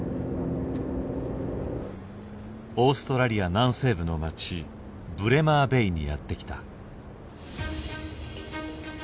オーストラリア南西部の町ブレマーベイにやって来た。